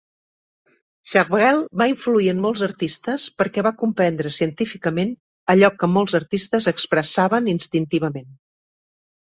Chevreul va influir en molts artistes perquè va comprendre científicament allò que molts artistes expressaven instintivament.